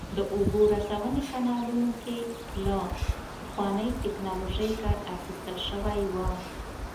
د اوبو رسونې کانالونو کې له پخوانۍ ټکنالوژۍ کار اخیستل شوی و